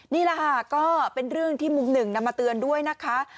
นี่แหละค่ะก็เป็นเรื่องที่มุมหนึ่งนำมาเตือนด้วยนะคะ